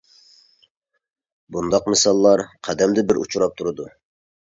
بۇنداق مىساللار قەدەمدە بىر ئۇچراپ تۇرىدۇ.